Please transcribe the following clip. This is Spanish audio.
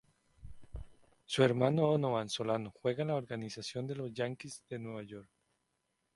Su hermano, Donovan Solano, juega en la organización de los Yankees de Nueva York.